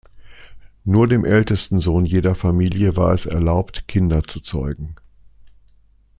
Nur dem ältesten Sohn jeder Familie war es erlaubt, Kinder zu zeugen.